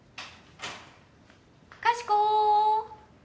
かしこ！